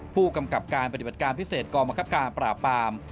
ผู้กำกับการปฏิบัติการพิเศษกองบังคับการปราบปาม